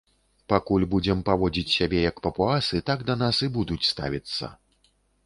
Пакуль будзем паводзіць сябе як папуасы, так да нас і будуць ставіцца.